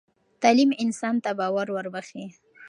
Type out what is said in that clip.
تعلیم انسان ته باور وربخښي.